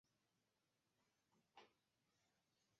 普雷尼斯人口变化图示